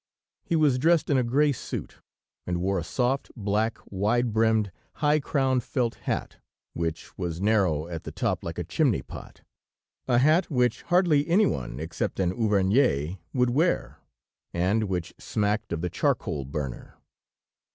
He was dressed in a gray suit, and wore a soft, black, wide brimmed, high crowned felt hat, which was narrow at the top like a chimney pot, a hat which hardly any one except an Auvergnat would wear, and which smacked of the charcoal burner.